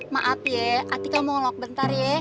maaf ya hati kamu ngelok bentar ya